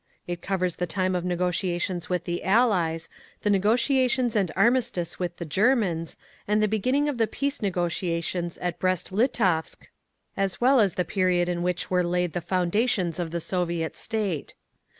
It covers the time of negotiations with the Allies, the negotiations and armistice with the Germans, and the beginning of the Peace negotiations at Brest Litovsk, as well as the period in which were laid the foundations of the Soviet State.